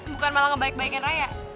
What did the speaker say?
bukan malah ngebaik baikin raya